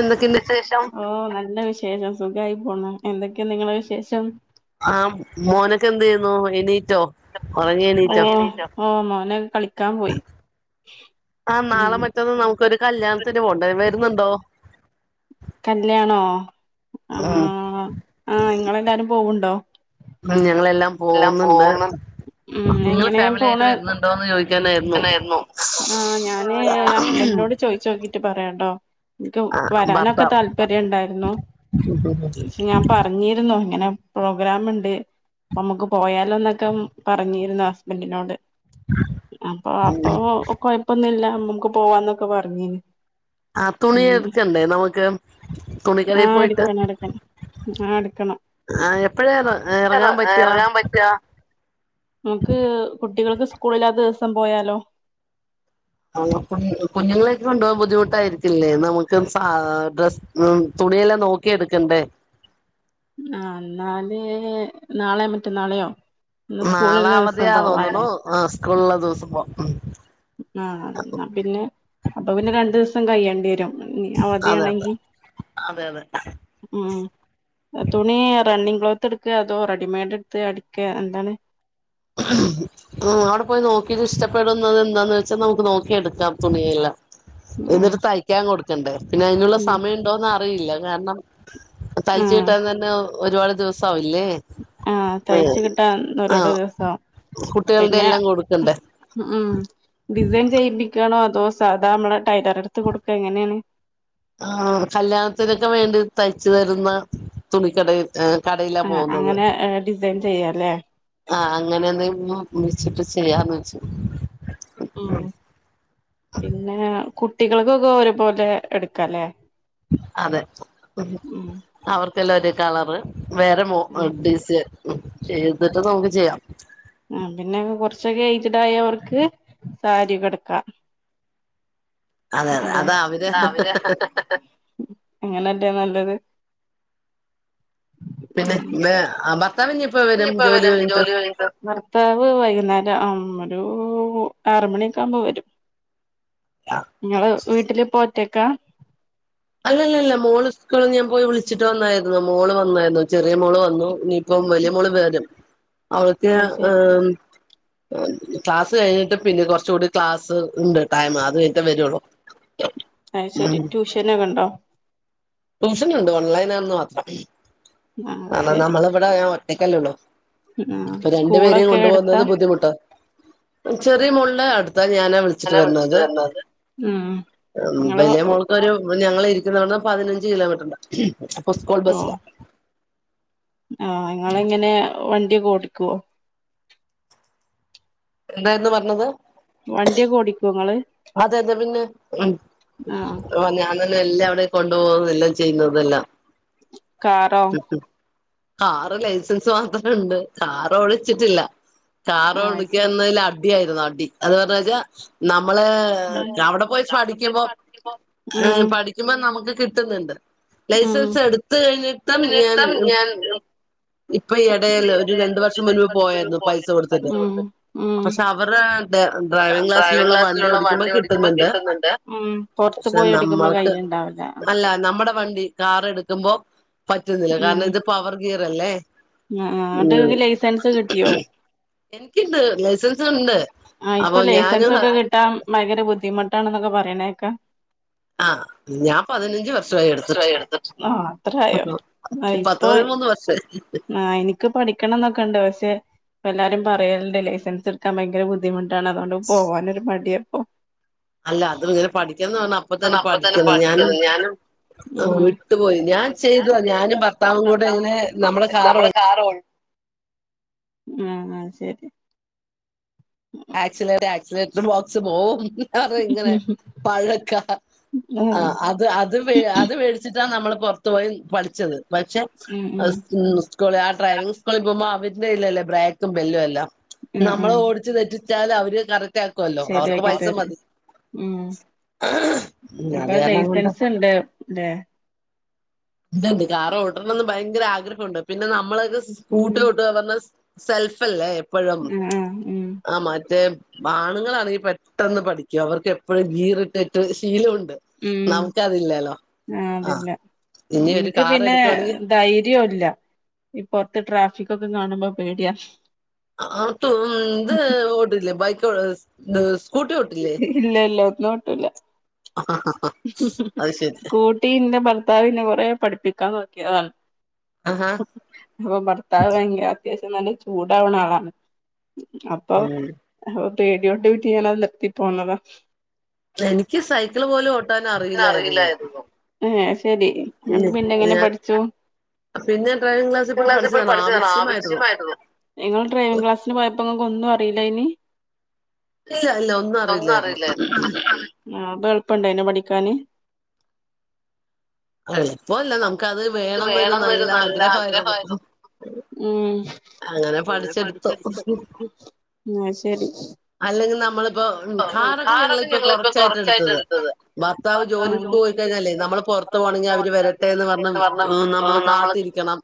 എന്തൊക്കെണ്ട് ന്തെക്കെ വിശേഷം, ഓഹ് നല്ല വിശേഷം സുഖായി പോവുന്നു. എന്തൊക്കെ നിങ്ങളെ വിശേഷം ആഹ് മോനൊക്കെ എന്തെയ്യുന്നു എണീറ്റോ എണീറ്റോ, ഓഹ് ഓഹ് മോനൊക്കേ കളിക്കാം പോയി ഹ്മ്മ് ത്തമ്മാ നമുക്കൊരു കല്ല്യാൺത്തിന് പോണ്ടേ വെര്ന്ന്ണ്ടോ? കല്ല്യാണോ, ഉം ആഹ് ആഹ് ഇങ്ങളെല്ലാരും പോവ്ണ്ടോ ഹ്മ്മ് ഞങ്ങളെല്ലാം ളെല്ലാം പോകുന്നുണ്ട് പോവ്ന്ന് ഹ്മ്മ് എങ്ങനെ പോണേ ഉണ്ടോന്ന് ചോയ്ക്കാനായിരുന്നു ണ്ടോന്ന് ചോയ്ക്കനായിരുന്നു, ആഹ് ഞാന് ഞാന് ഹസ്ബൻൻ്റിനോട് ചോയ്ച്ചോക്കീട്ട് പറയാട്ടോ ഇൻക്ക് ആ വരാനൊക്കെ ഭർത്താവ് താല്പര്യണ്ടായ്രുന്നു ഹ്മ്മ് ഞാൻ പറഞ്ഞീരുന്നു ഇങ്ങനെ പ്രോഗ്രാമ്ണ്ട് നമുക്ക് പോയാലൊന്നൊക്കെ പറഞ്ഞിരുന്നു ഹസ്ബൻഡിനോട് അപ്പ അപ്പൊ കൊയപ്പൊന്നുംല്ല അമ്മക്ക് പോവാന്നൊക്കെ പറഞ്ഞീനി ആഹ് തുണി എടുക്കണ്ടേ നമുക്ക് തുണിക്കടേ ആഹ് പോയിട്ട് എടുക്കണം എടുക്കണം ആഹ് ഇട്ക്കണം. ആഹ് എപ്പഴാ എറ എറങ്ങാൻ പറ്റാ രാ നമുക്ക് കുട്ടികൾക്ക് സ്കൂളില്ലാത്ത ദിവസം പോയാലോ ആഹ് കുഞ്ഞ് കുഞ്ഞുങ്ങളെക്കെ കൊണ്ടാവാൻ ബുദ്ധിമുട്ടായിരിക്കില്ലേ നമുക്ക് സാ ഡ്രസ്സ് ഹ്മ്മ് തുണിയെല്ലാം നോക്കി എടുക്കണ്ടേ ആഹ് ഇന്നാല് നാളെയോ മറ്റന്നാളെയോ എന്നാ സ്കൂളില്ള്ള ദിവസം പോവല്ലാ ആഹ് സ്കൂള്ള്ള ദിവസം പോവാം ആഹ് എന്നാ പിന്നെ അപ്പ പിന്നെ രണ്ട്‌ ദിവസം കയ്യണ്ടിയരും അതെ അതെ അവധിയാണെങ്കി അതെ അതെ ആഹ് തുണി റണ്ണിങ് ക്ലോത്ത് എടുക്കെ അതോ റെഡിമെയ്ഡ് എടുത്ത് അടിക്കെ എന്താണ് ഉം അവിടെ പോയി നോക്കീട്ട് ഇഷ്ടപ്പെടുന്നത് എന്താന്ന് വെച്ചാ നമുക്ക് നോക്കി എടുക്കാം തുണിയെല്ലാം ആഹ് എന്നിട്ട് തയ്ക്കാൻ കൊടുക്കണ്ടേ പിന്നെ അയ്നുള്ള ഉം സമയം ഉണ്ടോന്ന് അറിയില്ല കാരണം തയ്ച്ച് ആഹ് കിട്ടാൻ തന്നെ ഒരുപാട് ദിവസം ആവില്ലേ ആഹ് തയ്ച്ച് കിട്ടാൻ ഒരുപാട് ദിവസാവും കുട്ടികളുടെ പിന്നെ എല്ലാം കൊടുക്കണ്ടേ ഉം ഉം ഡിസൈൻ ചെയ്യിപ്പിക്കാണോ അതോ സാധാ അമ്മളെ ടൈലറെട്ത്ത് കൊടുക്കാ എങ്ങനേണ് ആഹ് കല്യാണത്തിനൊക്കെ വേണ്ടി തയ്ച്ചു തരുന്ന തുണിക്കടയിൽ ഏഹ് കടയിലാ ആഹ് പോകുന്നത് അങ്ങനെ ഡിസൈൻ ചെയ്യാല്ലേ ആഹ് അങ്ങനെ എന്തെങ്കിലും വിളിച്ചിട്ട് ചെയ്യാന്ന് വെച്ചു ഉം പിന്നെ കുട്ടികൾക്കൊക്കെ ഒരു പോലെ എടുക്കല്ലേ അതെ ഉം അവർക്കെല്ലാം ഒരു കളറ് വേറെ മോ ഉം ഡിസൈൻ ചെയ്തിട്ട് നമുക്ക് ചെയ്യാം ആഹ് പിന്നെ കൊറച്ചൊക്കെ ഏയ്ജ്ട് ആയോർക്ക് സാരി ഒക്കെ ഇട്ക്കാം അതെ അതെ അന്റോ അതാ ആഹ് അവര് ഉം ഉം അങ്ങനല്ലേ നല്ലത് പിന്നെ ഇന്ന് അഹ് ഭർത്താവ് ഇഞ് ഇഞ് ഇപ്പൊ വരും ജോലി കഴിഞ്ഞിട്ട് ഭർ ത്താവ് വൈകുന്നേരം അം ഒരു ആറ് മണിയൊക്കെ ആവുമ്പോ വരും ഇങ്ങള് വീട്ടില് ഇപ്പൊ ഒറ്റക്കാ അല്ലല്ലല്ല മോള് സ്ക്കുള്ന്ന് ഞാൻ പോയി വിളിച്ചിട്ട് വന്നായിരുന്നു മോള് വന്നായിരുന്നു ചെറിയ മോള് വന്നു ഇനിയി പ്പം വല്ല്യെ മോള് വെരും അവൾക്ക് ഞാൻ അയ്ശരി ഏഹ് ക്ലാസ് കഴിഞ്ഞിട്ട് പിന്നെ കൊറച്ച് കൂടി ക്ലാസ് ഇണ്ട് ടൈമ് അത് കഴിഞ്ഞ്ട്ടേ വെരൊള്ളു അയ് ശരി ട്യൂഷനൊക്കെ ഇണ്ടോ ട്യൂഷനുണ്ട് ഓൺലൈനാണെന്ന് മാത്രം ആഹ് കാരണം ശരി നമ്മളിവിടെ ഞാൻ ഒറ്റക്കല്ലേ ഒള്ളു ആഹ് അപ്പൊ രണ്ടു പേരേം സ്കൂളൊക്കെ എടുത്താ കൊണ്ടുപോകുന്നത് ബുദ്ധിമുട്ടാ ചെറിയ മോള്നെ അട്ത്താ ഞാനാ വിൾ ചിട്ട് വിളിച്ചിട്ട് വര്ണത് വന്നത് ഉം നിങ്ങള് വല്യെ മോൾക്കൊരു ഇപ്പൊ ഞങ്ങള് ഇരിക്കുന്ന അവ്ട്ന്ന് പതിനഞ്ച് കിലോമീറ്ററ്ണ്ട് അപ്പൊ സ്കൂൾ ഓ ബസ്സിലാ ആഹ് ഇങ്ങള് എങ്ങനെ വണ്ടി ഒക്കെ ഓടിക്കോ എന്തായിരുന്നു പർഞ്ഞത് വണ്ടി ഒക്കെ ഓടിക്കോ ഇങ്ങള് അതെ അതെ പിന്നെ ഉം ആഹ് ഓഹ് ഞാൻ തന്നെ എല്ലാം അവിടെയും കൊണ്ടു പോകുന്നതും എല്ലാം ചെയ്യുന്നതു എല്ലാം കാറോ [unintelligible] കാറ് ലൈസൻസ് മാത്രം ഇണ്ട് കാറ് ഓടിച്ചിട്ടില്ല കാറ് ആഹ് അത് ശരി ഓടിക്കാന്നേല് അ ടി ആയിരുന്നു അടി അത് കാരണം എനിക്ക് നമ്മളേ ഉം എഹ് അവിടെ പോയി അവിടെ പോയി പഠിക്കുമ്പോ ഉം ഇഹ് പഠിക്കുമ്പോ നമുക്ക് കിട്ട്ന്ന്ണ്ട് ഉം ലൈസൻസ് എട്ത്ത് കഴിഞ്ഞിട്ടം ഞാൻ ഇപ്പൊ ഈ എടേല് ഒരു രണ്ടു വർഷം മുൻപ് പോയാര്ന്നു പൈസ പോയിരുന്നു കൊടുത്തിട്ട് പഠിച്ചോണ്ട് പക്ഷെ അവര്ടേ ടെ ഡ്രൈവിംഗ് ക്ലാസിലുള്ള വ സ്സിലുള്ള വണ്ടി ഓടിക്കുമ്പോ കിട്ട്ന്ന്ണ്ട് ഒം പൊർത്ത് പോയി ഓടിക്കുമ്പോ കയ്യ് ഇണ്ടാവൂല നമ്മടെ വണ്ടി കാറ് എടുക്കുമ്പോ പറ്റുന്നില്ല ഉം കാരണം ഇത് പവർ ഗിയർ അല്ലേ ആഹ് ആഹ് ന്നട്ട് ഇങ്ങക്ക് ലൈസൻസ് കിട്ടിയോ എനിക്കിണ്ട് ലൈസൻസുണ്ട് ആഹ് ഇപ്പൊ ലൈസൻസൊക്കെ കിട്ടാൻ ഭയങ്കര ബുദ്ധിമുട്ടാണെന്നൊക്കെ പറയ്ണേക്ക ആഹ് ഞാൻ പതിനഞ്ച് വർഷായി എടുത്തിട്ട് ആ പത്ത് പതി മൂന്ന് വർഷായി എടുത്തിട്ട് ഇൻക്ക് പഠിക്കണംന്നൊക്കെണ്ട് പക്ഷെ ഇപ്പെല്ലാരും പറയല്ണ്ട് ലൈസൻസ്ടുക്കാൻ ഭയങ്കര ബുദ്ധിമുട്ട് ട്ടാണ് അതോണ്ട് പോവാനൊരു മടിയാ അല്ല അത് ഇങ്ങനെ പഠിക്കണംന്ന് പറഞ്ഞ അപ്പത്തന്നെ അപ്പൊ തന്നെ പഠിക്കണം ഞാന് ഞാനും ആ ഉം വിട്ടു പോയി ഞാൻ ചെയ്തു ഞാനും ഭാർത്താവ് കൂടെയിങ്ങനെ നമ്മള് കാറ് ഓട ആഹ് ആഹ് അഹ്ശരി ആക്സിലേറ്റ് ആക്സിലേറ്റർ ബോക്സ് പോവും അതേയിങ്ങനെ പഴക്കാ ആ ആഹ് അ അത് അത് അത് വേടിച്ചിട്ടാണ് നമ്മള് പൊറത്ത് പോയി പഠിച്ചത് പക്ഷെ ഉം ഉം സ്കൂളി ആ ഡ്രൈവിംഗ് സ്കൂളി പോകുമ്പോ അവര്ടെ കയ്യിലല്ലേ ബ്രേക്കും, ബെല്ലുവെല്ലാം ആ ആ നമ്മളോടിച്ച് തെറ്റിച്ച് ച്ചാല് അവര് കറക്റ്റാക്കുവല്ലോ? അവർക്ക് ശരിയാക്കി പൈസ തരും മതി ഉം ഉം, അത് അപ്പൊ കാരണം കൊണ്ട് ലൈസൻസ്ണ്ട് ല്ലേ? ഇണ്ട്ണ്ട് കാറ് ഓട്ടണംന്ന് ഭയങ്കരാഗ്രഹവുണ്ട് പിന്നെ നമ്മളത് ഉം സ്കൂട്ടറോട്ട പറഞ്ഞ സെൽഫ ല്ലേ? എപ്പഴും ആ ആ ഉം ആ മറ്റേ ആണുങ്ങളാണെങ്കി പെട്ടെന്ന് പഠിക്കും അവർക്കെപ്പഴും ഗീറിട്ടിട്ട് ശീലമുണ്ട് ഉം നമുക്കതില്ലല്ലോ ആ അതില്ല ഇനി ഒരു എനിക്ക് കാർ പിന്നെ എടുക്കുവാണെങ്കിൽ ധൈര്യോല്ല ഈ പൊറത്ത് ട്രാഫിക്കൊക്കെ കാണുമ്പോ പേടിയാ അതും ഇത് ഓട്ടില്ലെ ബൈക്ക് ഓട്ടി സ്കൂട്ടി ഓട്ടില്ലേ? ഇല്ലല്ല ഒന്നും ഓട്ടൂല്ല ആഹ് ആഹ് സ്കൂട്ടീന്റെ ഭർത്താവിന്നെ കൊറേ പഠിപ്പിക്കാൻ നോക്കിയതാണ് ആഹാ അപ്പൊ ഭർത്താവ് ഭയങ്കര അത്യാവിശ്യം നല്ല ചൂടാവ്ണാളാണ് അപ്പം ഉം പേടിയോണ്ട് കൂടി ഞാനത് നിർത്തി പോന്നതാ എനിക്ക് സൈക്കിള് പോലും ഓട്ട നറിയില്ലായ്രുന്നു ഏഹ് അഹ്ശരി അപ്പ ഉം. പിന്നെങ്ങനെ ഞാൻ പഠിച്ചു? ഡ്രൈവിംഗ് ക്ലാസ്സി പോയി പഠിച്ചതാണ് ആവശ്യമായിരുന്നു നിങ്ങള് ഡ്രൈവിംഗ് ക്ലാസ്സിന് പോയപ്പോ ഇങ്ങക്കൊന്നും അറിയില്ലേനി? ഒന്നും അറിയില്ലായിരുന്നു ആഹ് അപ്പം എളുപ്പണ്ടായിനോ പഠിക്കാന്? എളുപ്പല്ല നമുക്കത് വേണംന്നൊരു നല്ല ആഗ്രഹവായിരുന്നു ഉം അങ്ങനെ പഠിച്ചെടുത്തു മ് അഹ്ശരി അല്ലെങ്കി നമ്മളിപ്പോ കാറൊക്കെ ഞങ്ങളിപ്പോ ഞങ്ങളിപ്പൊ കൊറച്ചായിട്ട് കൊറച്ചായിട്ടെടുത്തത് എടുത്തത് ഭർത്താവ് ജോലിക്ക് പോയിക്കഴിഞാല്ലേ നമ്മള് പൊറത്തു അവര് പോണെങ്കി പുറത്ത് അവര് പോണെങ്കിൽ വരട്ടെയെന്ന് പറഞ്ഞു വരട്ടെന്ന് പറഞ്ഞ് ഏ നമ്മള് കാത്തിരിക്കണം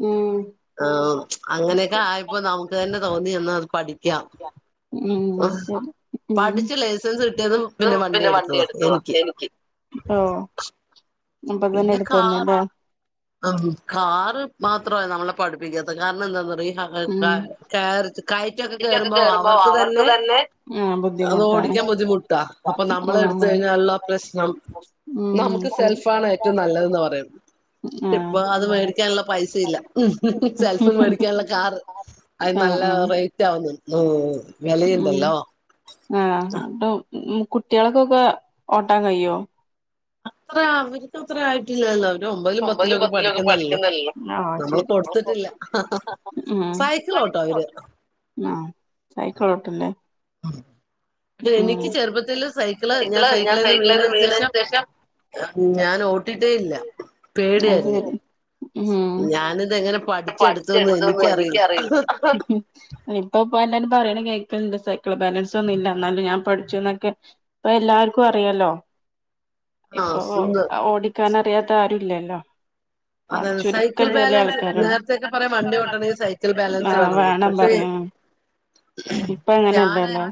ഉം ആഹ് അങ്ങനെയൊക്കെ ആയപ്പോ നമുക്ക് തന്നെ തോന്നി എന്ന ഒന്ന് പഠിക്കാം ഉം അഹ്ശരി ഉം പഠിച്ച് ലൈസൻസ് കിട്ടിയതും എനിക്കും വണ്ടി പിന്നെ എടുത്തതാ വണ്ടിയെടുത്തു എനിക്ക് ഓഹ് അപ്പൊതന്നെയെടുത്ത് തന്ന്ല്ലേ? ആഹ് കാറ് മാത്രമാ നമ്മളെ പഠിപ്പിക്കാത്തെ കാരണെന്താന്നറിയോ ഈ ഹ ഉം കാറ് കയറ്റൊക്കെ കേറുമ്പോ അവർക്ക് തന്നെ അത് ഓടിക്കാൻ ബുദ്ധിമുട് ട്ട അപ്പൊ ഉം നമ്മളെടുത്ത് കഴിഞ്ഞലുള്ള പ്രശ്നം ഉം നമുക്ക് ശരി സെൽഫാണ് ഏറ്റവും നല്ലത് ന പറയ്ന്ന് ഇപ്പൊ ആഹ് അത് മേടിക്കാനുള്ള പൈസ ഇല്ല സെൽഫ് മേടിക്കാനുള്ള കാറ് അത് ആഹ് നല്ല ആഹ് റേറ്റ് ആവുന്നു ഉം വെലയിണ്ടല്ലോ ആഹ് ആട്ടോ കുട്ടികൾക്കൊക്കെ ഓട്ടാൻ കയ്യോ അത്ര അവരി അത്ര ആയിട്ടില്ലല്ലോ അവര് ഒമ്പതിലും പത്തിലും ഒക്കെ പത്തിലൊക്കെ പഠിക്കുന്നല്ലെ ള്ളു പഠിക്കുന്നല്ലോ ആഹ് നമ്മള് ശരി കൊടുത്തിട്ടില്ല ഉം സൈക്കളോട്ടു അവര് ആഹ് സൈക്കളോട്ടുല്ലേ എനിക്ക് ചെറുപ്പത്തില് സൈക്കിള് ഞാൻ സൈക്കിളേന്ന് വീണെന് ശേഷം ഞാൻ ഓട്ടിട്ടേ ഇല്ല അത് ശരി പേടിയായിരുന്നു ഞാനിതെങ്ങനെ പഠി പഠിച്ചെടുത്തുന്ന് എനിക്കറയില്ല ഇപ്പൊ ഇപ്പൊ എല്ലാരും പറയണ കൈക്കിണിണ്ട് സൈക്കിള് ബാലൻസ് ഒന്നും ഇല്ല എന്നാലും ഞാൻ പഠിച്ചു ന്നൊക്കെ ഇപ്പൊ എല്ലാർക്കു അറിയാലോ ആ ഇപ്പൊ സുന്ദർ ഓടിക്കാൻ അറിയാത്ത ആരുല്ലല്ലോ അതെ അതെ സൈക്കിൾ ചുരുക്കം ചെല ബാലൻസ് ആൾക്കാര നേരത്തെയൊക്കെ പറയും വണ്ടി ഓട്ടണമെങ്കിൽ സൈക്കിൾ ബാലൻസ് ആഹ് വേണംന്ന് വേണം പക്ഷെ പറയാ ഇപ്പ അങ്ങനെ ഞാൻ അല്ലല്ലോ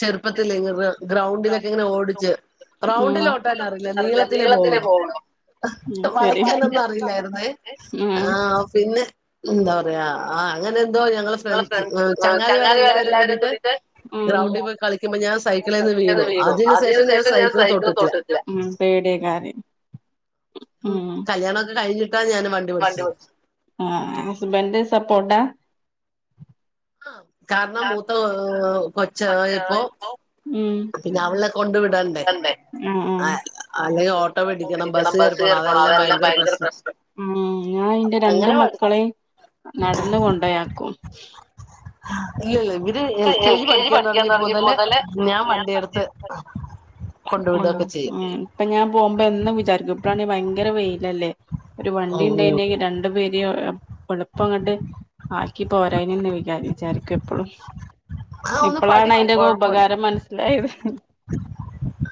ചെറുപ്പത്തില് ഇങ്ങന ഗ്രൗണ്ടിലൊക്കെ ഇങ്ങന ഓടിച്ച് ഉം റൗണ്ടിലോട്ടാൻ അറില്ല അറിയില്ല നീളത്തിലേ പോവുള്ളു പോവുള്ളൂ ഉം ശരി വളക്കാനൊന്നും അ അറിയില്ലായിരുന്നേ ഉം ആ പിന്നെ ന്താ പറയാ ആഹ് അങ്ങനെ എന്തോ ഞങ്ങള് ഫ്രണ്ട്സ് ചങ്ങാതി മാര് എല്ലാവരും ചങ്ങാതിമാരെല്ലാവരും കൂടിയിട്ട് കൂടിട്ട് ഉം ഗ്രൗണ്ടി പോയി കളിക്കുമ്പോ ഞാൻ സൈ ക്കളേന്ന് ന്ന് വീണു അതിനു ശേഷം ഞാൻ സൈക്കിള് തൊട്ടിട്ടി ല്ല ല്ല പേടിയെക്കാരം ഉം കല്യാണൊക്കെ കഴിഞ്ഞിട്ടാ ഞാൻ വണ് വണ്ടി ഓടിച്ചത് ആഹ് ഹസ്ബന്റ് സപ്പോട്ട ആഹ് കാരണം മൂത്ത കൊച്ച യപ്പോ കൊച്ചായപ്പോ ഉം പിന്നെ അവളെ കൊണ്ട് വിടണ്ടേ ണ്ടേ ആഹ് ആഹ് അല്ലെൽ ഓട്ടോ പിടിക്കണം ബസ് കേറി കേറി പോണം അതെല്ലം ഭയങ്കര പ്രശ്നം ഉം ഞാ യിന്റെ രണ്ട് അങ്ങനെ പഠി മക്കളേം നടന്ന് കൊണ്ടെയാക്കും ഇല്ലല്ല ഇവര് എൽ കെ ജി പഠിക്കാൻ തുടങ്ങിയപ്പൊ മുതല് ഞാൻ വണ്ടിയെടുത്ത് കൊണ്ടു ഉം വിടൊക്കെ ചെയ്യും ഉം ഇപ്പൊ ഞാൻ പോകുമ്പോ എന്നും വിചാരിക്കും ഇപ്പഴാണെ ഭയങ്കര വെയിലല്ലേ ഒരു വണ്ടി ഉം ഉം ഉണ്ടായിനെങ്കി രണ്ടു പേരയു എളുപ്പങ്ങട് ആക്കി പോരായിന് ന്ന് വിചാരിക്കു എപ്പോഴും ആ ഒന്ന് ഇപ്പോളാണ് പഠിക്ക് അയ്ന്റെ ഉപകാരം മനസ്സിലായത്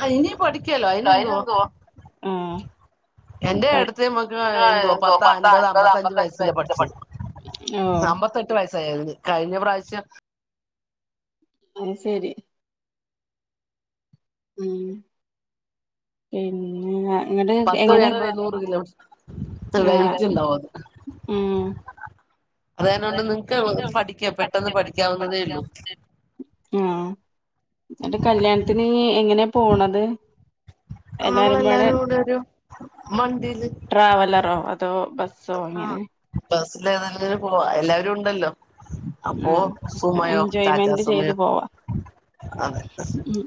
അയിന് പഠിക്കാലോ [unintelligible] ആഹ് എന്റെ അടുത്ത മക്ക് എന്തോ ന്തോ പത്ത് അൻപത് പത്തൻപത് അമ്പത്തഞ്ച് വയസ്സില വയസ് [unintelligible] ഓഹ് എട്ടു വയസ്സായിരുന്നു കഴിഞ്ഞ പ്രാവശ്യം അയ് ശെരി ഉം പിന്നെ ഇങ്ങട് പത്ത് എങ്ങനെ എൺപത് നൂറ് കിലോ ആഹ് വെയിറ്റ് ഉണ്ടാവോത് ഉം അതായതിനൊണ്ട് നിങ്ങക്ക് പഠിക്ക പെട്ടെന്ന് പഠിക്കാവുന്നതേ ഉള്ളൂ ആഹ് ന്ന്ട്ട് കല്യാണത്തിന് എങ്ങനെയാ പോണത് എല്ലാരും പാടെ നമ്മളെല്ലാരും കൂടെരു വണ്ടിയില് ട്രാവലറോ അതോ ബസ് ആഹ് ബസില് ഏതെങ്കിലും പോവാ എല്ലാവരും ഉണ്ടല്ലോ ആ അപ്പോ സുമയോ റ്റാറ്റാ എൻജോയ്മെന്റ് ചെയ്ത് സുമയോ പോവാ അതെ ഉം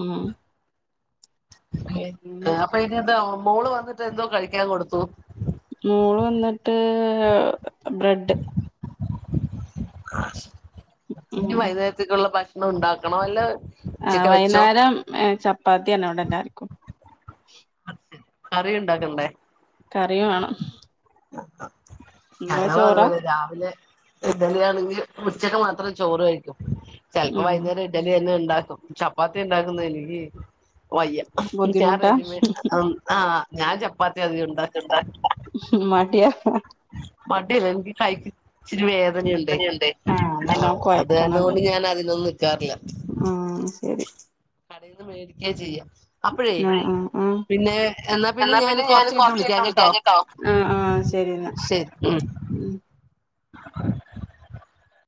ഉം പിന്നെ അപ്പൊ ഇനി എന്താ മോള് വന്നിട്ട് എന്തോ കഴിക്കാൻ കൊടുത്തു മോള് വന്നിട്ട് ബ്രെഡ് ആ ശരി ഇനി ഉം വൈന്നേരത്ത് ക്ള്ള ഭക്ഷണം ഉണ്ടാക്കണം അല്ല ആഹ് ഉച്ചക്ക് വെച്ചോ വൈന്നാരം ചപ്പാത്തിയാണ് ഇവിടെ എല്ലാര്ക്കും കറി ഉണ്ടാക്കണ്ടേ കറിയ വാണം ഞങ്ങള് ചോറാ അതുപോലെ രാവിലെ ഇഡലിയാണെങ്കി ഉച്ചക്ക് മാത്രം ചോറ് കഴിക്കും ചലപ്പോ ഉം വൈന്നേരം ഇഡലി തന്നെ ഉണ്ടാക്കും ചപ്പാത്തി ഉണ്ടാക്കുന്ന എനിക്ക് വയ്യ ഞാൻ ബുദ്ധിമുട്ടാ റെഡിമേട് ആഹ് ഞാൻ ചപ്പാത്തി അധികണ്ട് ഉണ്ടാകില്ല മടിയാ മടിയല്ല എനിക്ക് കയിക്കി ഇച്ചിരി വേ [unintelligible] യുണ്ടേ ആ നല്ലോം അത് കാരണം കൊഴക്കണല്ലോ കൊണ്ട് ഞാൻ അതിനൊന്നും നിക്കാറില്ല ഉം ശരി കടയിൽന്ന് മേടിക്ക ചെയ്യാ അപ്പഴേ ആഹ് ആഹ് എന്നാ പിന്നെ ഞാൻ കൊറച്ച് കയിഞ്ഞിട്ട് വിളികാം കേട്ടോ ആഹ് ആഹ് ശരി എന്നാ ഉം ആഹ്